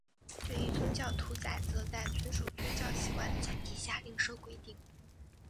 对于宗教屠宰则在遵守宗教习惯的前提下另设规定。